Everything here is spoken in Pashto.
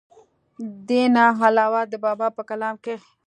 دې نه علاوه د بابا پۀ کلام کښې هم